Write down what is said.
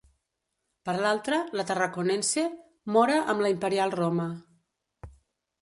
Per l'altra, la “tarraconense” Móra amb la imperial Roma.